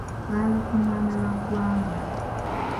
Lwali lukungaana lwa ggwanga..